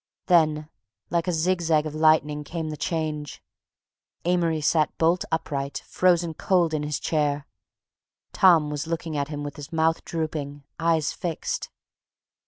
Then like a zigzag of lightning came the change. Amory sat bolt upright, frozen cold in his chair. Tom was looking at him with his mouth drooping, eyes fixed.